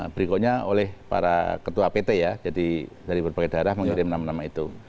berikutnya oleh para ketua pt ya jadi dari berbagai daerah mengirim nama nama itu